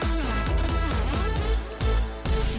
โปรดติดตามต่อไป